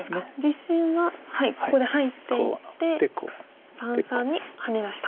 実戦はここで入っていって三々にハネ出した。